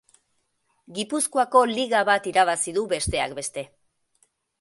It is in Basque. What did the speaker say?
Gipuzkoako Liga bat irabazi du besteak beste.